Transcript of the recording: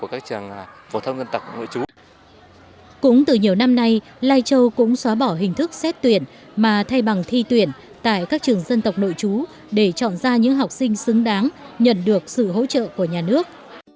cũng từ nhiều năm nay lai châu cũng xóa bỏ hình thức xét tuyển mà thay bằng thi tuyển tại các trường dân tộc nội chú để chọn ra những học sinh xứng đáng nhận được sự hỗ trợ của nhà nước